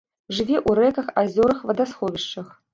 Жыве ў рэках, азёрах, вадасховішчах.